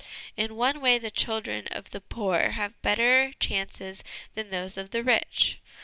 In one way the children of the poor have better chances than those of the rich.